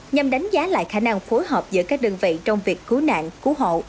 nhằm đánh giá lại khả năng phối hợp giữa các đơn vị trong việc cứu nạn cứu hộ